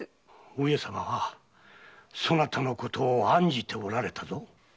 上様はそなたのことを案じておられたぞ。